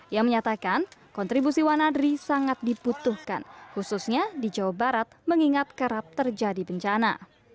yang menyatakan kontribusi wanadri sangat dibutuhkan khususnya di jawa barat mengingat kerap terjadi bencana